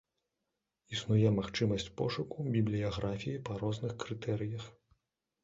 Існуе магчымасць пошуку бібліяграфіі па розных крытэрыях.